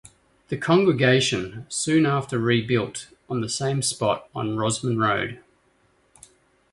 The congregation, soon after rebuilt, on the same spot on Rosman Road.